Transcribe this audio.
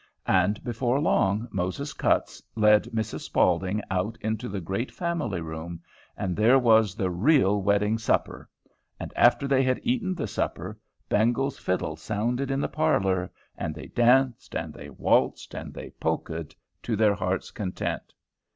And before long Moses Cutts led Mrs. Spaulding out into the great family room, and there was the real wedding supper. And after they had eaten the supper, Bengel's fiddle sounded in the parlor, and they danced, and they waltzed, and they polkaed to their hearts' content.